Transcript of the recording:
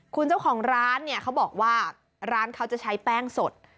คุณเจ้าของร้านเนี่ยเขาบอกว่าร้านเขาจะใช้แป้งสด